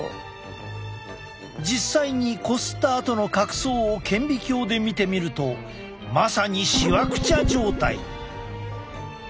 実際にこすったあとの角層を顕微鏡で見てみるとまさにしわくちゃ状態。